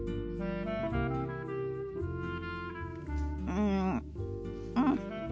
うんうん。